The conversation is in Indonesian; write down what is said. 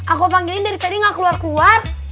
aku panggilin dari tadi gak keluar keluar